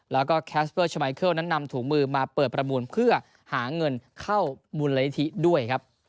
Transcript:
แล้วก็แคสเปอร์ชมัยเคิลนั้นนำถุงมือมาเปิดประมูลเพื่อหาเงินเข้ามูลนิธิด้วยครับ